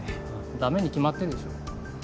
ダメに決まってるでしょ。